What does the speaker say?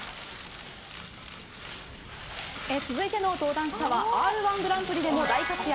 続いての登壇者は「Ｒ‐１グランプリ」でも大活躍。